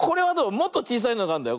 もっとちいさいのがあるんだよ。